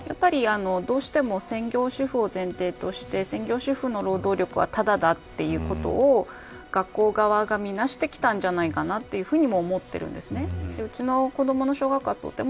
どうしても専業主婦を前提として専業主婦の労働力はタダだということに学校側は、みなしてきたんじゃないかなと思ってるんですね。